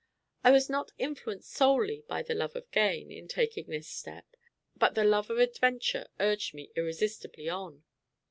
I was not influenced solely by the love of gain, in taking this step, but the love of adventure urged me irresistibly on.